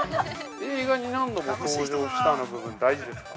◆「映画に何度も登場した」の部分は大事ですか。